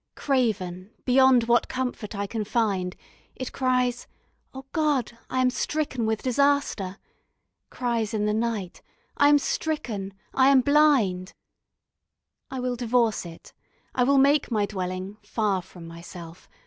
Craven, beyond what comfort I can find, It cries: "Oh, God, I am stricken with disaster." Cries in the night: "I am stricken, I am blind...." I will divorce it. I will make my dwelling Far from my Self.